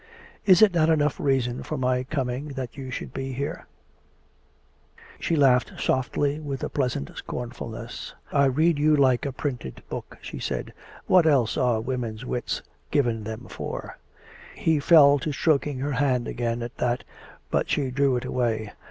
" Is it not enough reason for my coming that you srhould be here ?" She laughed softly, with a pleasant scornfulness. " I read you like a printed book/' she said. " What else are women's wits given them for.'* " He fell to stroking her hand again at that, but she drew it away.